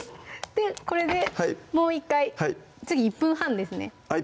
でこれでもう１回次１分半ですねあっ